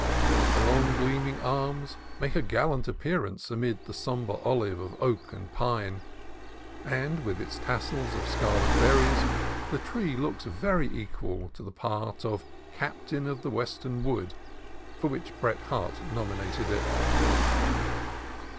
The long, gleaming arms make a gallant appearance amid the sombre olive of oak and pine, and with its tassels of scarlet berries the tree looks well equal to the part of "Captain of the Western Wood," for which Bret Harte nomi nated it.